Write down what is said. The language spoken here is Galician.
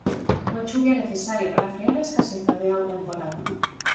Unha chuvia necesaria para frear a escaseza de auga encorada.